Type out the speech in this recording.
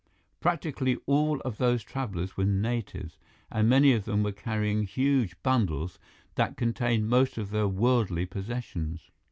Practically all of those travelers were natives, and many of them were carrying huge bundles that contained most of their worldly possessions.